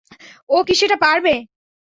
ও কি সেটা পারবে?